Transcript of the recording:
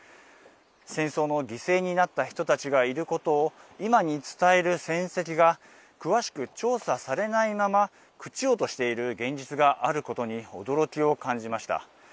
戦争の犠牲になった人たちがいることを、今に伝える戦跡が、詳しく調査されないまま朽ちようとしている現実があることに、驚きを感じました。